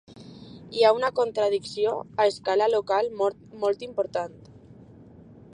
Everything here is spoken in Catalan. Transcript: Hi ha una contradicció a escala local molt important.